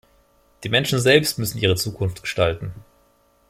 Die Menschen selbst müssen ihre Zukunft gestalten.